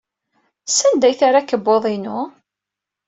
Sanda ay terra akebbuḍ-inu?